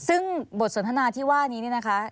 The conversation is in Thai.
ซึ่งบทสนทนาที่ว่านี้เนี่ยนะคะ